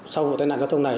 sau vụ tai nạn giao thông này